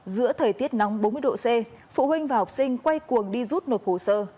giữa thời tiết nóng bốn mươi độ c phụ huynh và học sinh quay cuồng đi rút nộp hồ sơ